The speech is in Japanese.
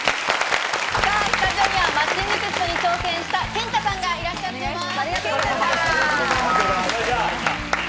スタジオにはマッチングテストに挑戦した健太さんがいらっしゃっています。